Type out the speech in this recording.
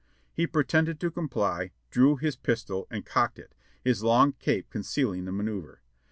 He pretended to comply, drew his pistol and cocked it, his long cape concealing the manoeuvre.